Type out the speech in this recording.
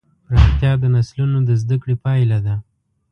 پراختیا د نسلونو د زدهکړې پایله ده.